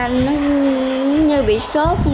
nó như bị sốt